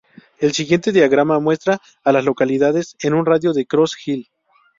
El siguiente diagrama muestra a las localidades en un radio de de Cross Hill.